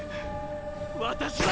私は！